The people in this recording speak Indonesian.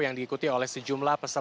yang diikuti oleh sejumlah peserta